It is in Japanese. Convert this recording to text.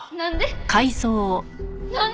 なんで？